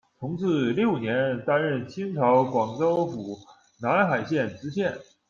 同治六年，担任清朝广州府南海县知县。